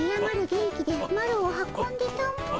元気でマロを運んでたも。